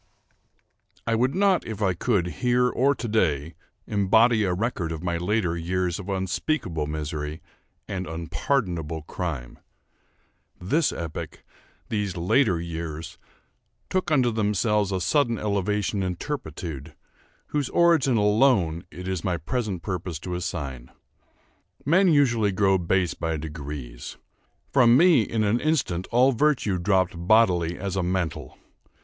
I would not, if I could, here or to day, embody a record of my later years of unspeakable misery, and unpardonable crime. This epoch—these later years—took unto themselves a sudden elevation in turpitude, whose origin alone it is my present purpose to assign. Men usually grow base by degrees. From me, in an instant, all virtue dropped bodily as a mantle.